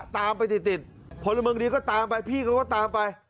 ตามไปติดติดพลเมืองดีก็ตามไปพี่เขาก็ตามไป